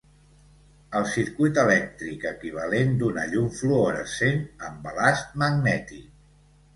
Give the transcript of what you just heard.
El circuit elèctric equivalent d'una llum fluorescent amb balast magnètic.